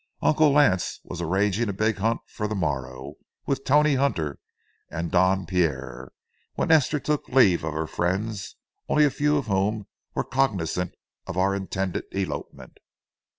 Uncle Lance was arranging a big hunt for the morrow with Tony Hunter and Don Pierre, when Esther took leave of her friends, only a few of whom were cognizant of our intended elopement.